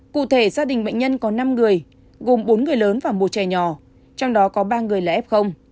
cụ thể gia đình bệnh nhân có năm người gồm bốn người lớn và một trẻ nhỏ trong đó có ba người là f